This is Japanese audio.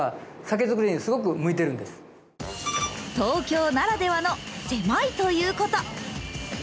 東京ならではの狭いということ。